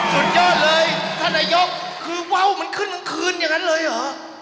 สุดยอดเลยท่านนายกคือว่าวมันขึ้นกลางคืนอย่างนั้นเลยเหรอ